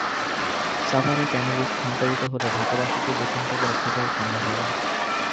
সাভারে ট্যানারি স্থানান্তরিত হলে ঢাকাবাসীকে দূষণ থেকে রক্ষা করা সম্ভব হবে।